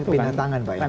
pindah tangan pak ya